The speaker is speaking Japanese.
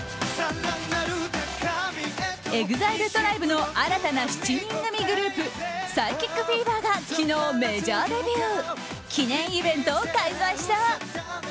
ＥＸＩＬＥＴＲＩＢＥの新たな７人組グループＰＳＹＣＨＩＣＦＥＶＥＲが昨日、メジャーデビュー。